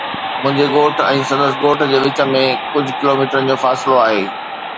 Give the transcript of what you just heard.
منهنجي ڳوٺ ۽ سندس ڳوٺ جي وچ ۾ ڪجهه ڪلوميٽرن جو فاصلو آهي.